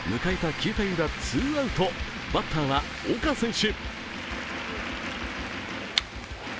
９回裏ツーアウトバッターは岡選手。